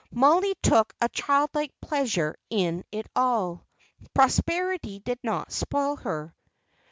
Mollie took a child like pleasure in it all. Prosperity did not spoil her.